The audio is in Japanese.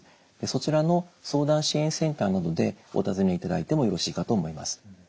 そちらの相談支援センターなどでお尋ねいただいてもよろしいかと思います。